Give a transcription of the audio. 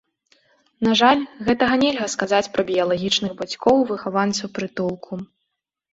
На жаль, гэтага нельга сказаць пра біялагічных бацькоў выхаванцаў прытулку.